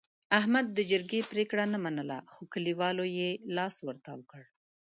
احمد د جرګې پرېګړه نه منله، خو کلیوالو یې لاس ورتاو کړ.